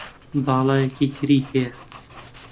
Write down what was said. باڵایەکی تری هەیە